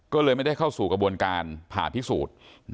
ก็เลยไม่ได้เข้าสู่กระบวนการผ่าพิสูจน์